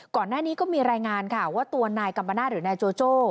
ก่อนหน้านี้ก็มีรายงานค่ะว่าตัวนายกัมปนาศหรือนายโจโจ้